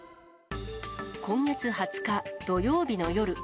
今月２０日土曜日の夜。